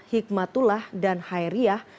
hikmatullah dan hairiyah